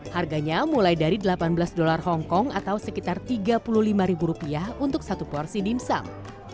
harganya mulai dari delapan belas dolar hongkong atau sekitar tiga puluh lima ribu rupiah untuk satu porsi dimsum